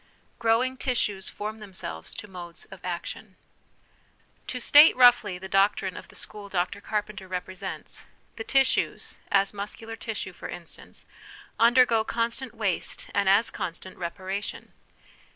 Growing Tissues form themselves to Modes of Action. To state roughly the doctrine of the school Dr Carpenter represents the tissues, as muscu lar tissue, for instance, undergo constant waste and as constant reparation.